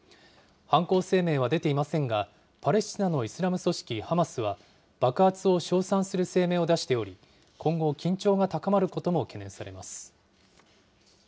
犯行声明は出ていませんが、パレスチナのイスラム組織ハマスは、爆発を称賛する声明を出しており、今後、緊張が高まることも懸念されます。